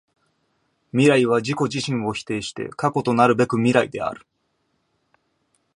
未来は自己自身を否定して過去となるべく未来である。